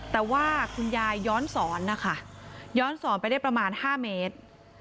แต่ว่าคุณยายย้อนสอนนะคะย้อนสอนไปได้ประมาณ๕เมตร